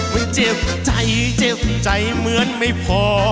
ไม่เจ็บใจเจ็บใจเหมือนไม่พอ